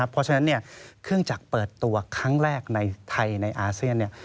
เพราะฉะนั้นเครื่องจักรเปิดตัวครั้งแรกในไทยในอาเซียน